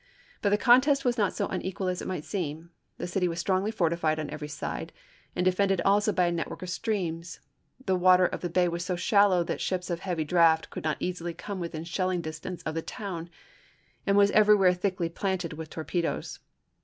But the contest was not so unequal as it might seem; the city was strongly fortified on every side and defended also by a network of streams ; the water of the bay was so shallow that ships of heavy draft could not easily come within shelling distance of the town, and was everywhere thickly planted with torpedoes.